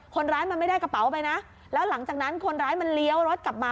คนร้ายมันไม่ได้กระเป๋าไปนะแล้วหลังจากนั้นคนร้ายมันเลี้ยวรถกลับมา